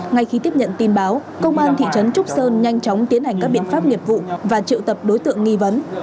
ngay khi tiếp nhận tin báo công an thị trấn trúc sơn nhanh chóng tiến hành các biện pháp nghiệp vụ và triệu tập đối tượng nghi vấn